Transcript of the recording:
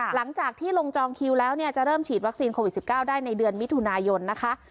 หลังจากที่ลงจองคิวแล้วเนี่ยจะเริ่มฉีดวัคซีนโควิด๑๙ได้ในเดือนมิถุนายนนะคะ